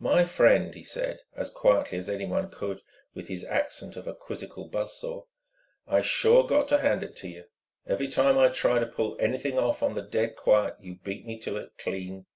"My friend," he said, as quietly as anyone could with his accent of a quizzical buzz saw, "I sure got to hand it to you. Every time I try to pull anything off on the dead quiet you beat me to it clean.